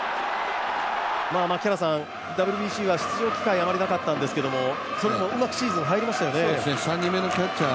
ＷＢＣは出場機会があまりなかったんですけどうまくシーズン入りましたよね。